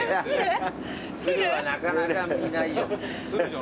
鶴はなかなか見ないよ。